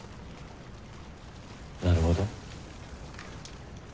なるほど。